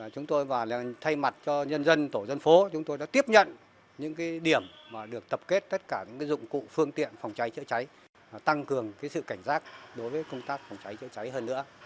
chúng tôi và thay mặt cho nhân dân tổ dân phố chúng tôi đã tiếp nhận những điểm được tập kết tất cả những dụng cụ phương tiện phòng cháy chữa cháy tăng cường sự cảnh giác đối với công tác phòng cháy chữa cháy hơn nữa